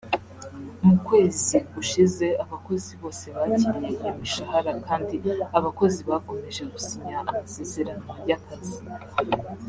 mu kwezi gushize abakozi bose bakiriye iyo mishahara kandi abakozi bakomeje gusinya amasezerano y’akazi